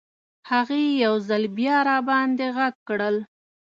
هغې یو ځل بیا راباندې غږ کړل.